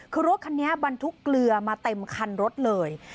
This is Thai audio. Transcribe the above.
คือรถคันนี้บรรทุกเกลือมาเต็มคันรถเลย